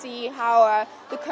điều thú vị nhất là